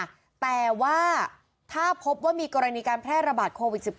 แต่ว่าถ้าพบว่ามีกรณีการแพร่ระบาดโควิด๑๙